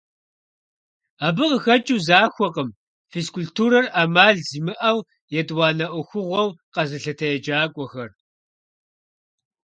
Абы къыхэкӀыу захуэкъым физкультурэр Ӏэмал зимыӀэу, етӀуанэ Ӏуэхугъуэу къэзылъытэ еджакӀуэхэр.